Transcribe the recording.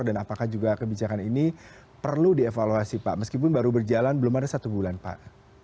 dan apakah juga kebijakan ini perlu dievaluasi pak meskipun baru berjalan belum ada satu bulan pak